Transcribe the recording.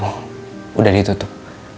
mabuh udah ditutup